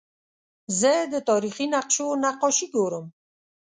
زه د تاریخي نقشو نقاشي ګورم.